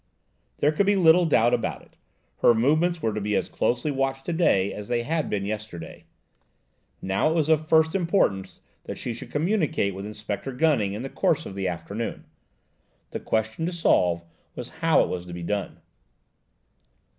There could be little doubt about it: her movements were to be as closely watched to day as they had been yesterday. Now it was of first importance that she should communicate with Inspector Gunning in the course of the afternoon: the question to solve was how it was to be done?